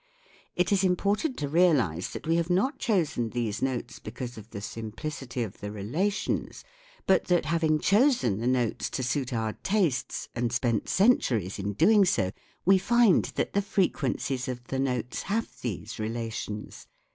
lt is im P rtant to reali se that we have not chosen these notes because of the simplicity of the relations, but that, having chosen the notes to suit our tastes and spent centuries in doing so, we find that the frequencies of the notes have these relations.